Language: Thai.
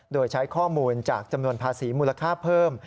โดยใช้ข้อมูลจากจำนวนภาษีมูลค่าเพิ่ม